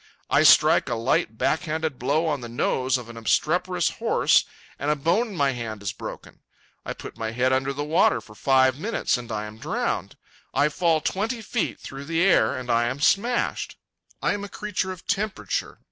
I strike a light back handed blow on the nose of an obstreperous horse, and a bone in my hand is broken. I put my head under the water for five minutes, and I am drowned. I fall twenty feet through the air, and I am smashed. I am a creature of temperature.